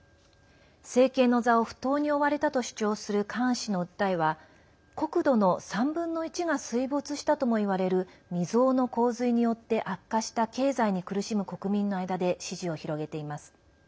政権の座を不当に追われたと主張するカーン氏の訴えは国土の３分の１が水没したともいわれる未曽有の洪水によって悪化した経済に苦しむ国民の間で支持を広げています。